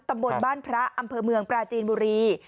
ตำบลบ้านพระอำเภอเมืองปราจีนบุรี